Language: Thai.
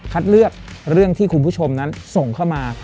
เลือกเรื่องที่คุณผู้ชมนั้นส่งเข้ามา